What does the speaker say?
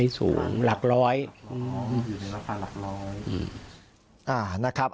อ๋ออยู่ในราคาหลักร้อย